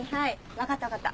分かった分かった。